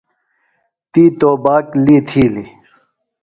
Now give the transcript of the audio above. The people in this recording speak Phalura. تی توباک لی تِھیلیۡ۔